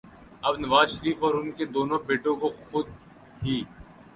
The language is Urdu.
اب نواز شریف اور ان کے دونوں بیٹوں کو خود ہی